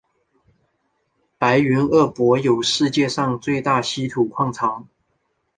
白云鄂博有世界上最大稀土矿藏。